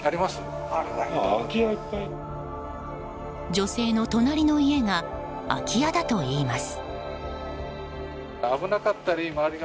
女性の隣の家が空き家だといいます。